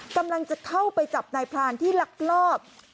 กำลังจะเข้าไปจับนายพรานที่ลักลอบ